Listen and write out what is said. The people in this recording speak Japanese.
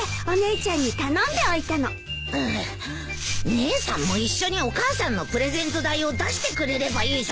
姉さんも一緒にお母さんのプレゼント代を出してくれればいいじゃないか。